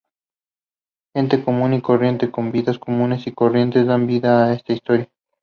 Gente común y corriente, con vidas comunes y corrientes, dan vida a esta historia.